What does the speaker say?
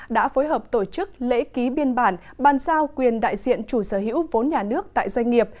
đã phối hợp tổ chức lễ ký biên bản bàn giao quyền đại diện chủ sở hữu vốn nhà nước tại doanh nghiệp